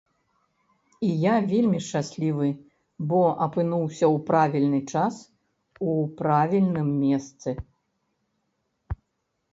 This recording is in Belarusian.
І я вельмі шчаслівы, бо апынуўся ў правільны час у правільным месцы.